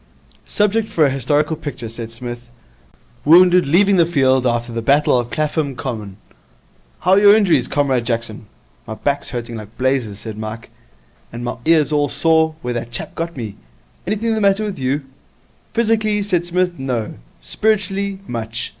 'Subject for a historical picture,' said Psmith. 'Wounded leaving the field after the Battle of Clapham Common. How are your injuries, Comrade Jackson?' 'My back's hurting like blazes,' said Mike. 'And my ear's all sore where that chap got me. Anything the matter with you?' 'Physically,' said Psmith, 'no. Spiritually much.